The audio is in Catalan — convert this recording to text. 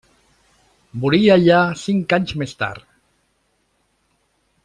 Morí allà cinc anys més tard.